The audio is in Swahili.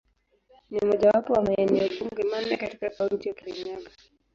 Ni mojawapo wa maeneo bunge manne katika Kaunti ya Kirinyaga.